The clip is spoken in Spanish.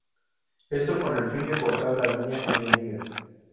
Esto con el fin de cortar la línea enemiga.